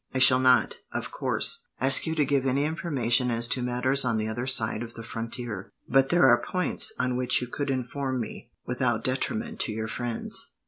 I shall not, of course, ask you to give any information as to matters on the other side of the frontier, but there are points on which you could inform me, without detriment to your friends."